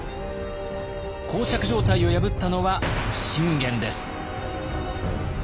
膠着状態を破ったのは信玄です。